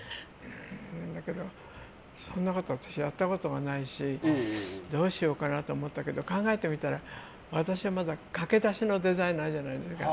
だけどそんなこと私やったことがないしどうしようかなと思ったけど考えてみたら私、まだ駆け出しのデザイナーだから。